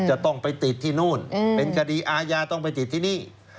จะต้องไปติดที่นู่นเป็นคดีอาญาต้องไปติดที่นี่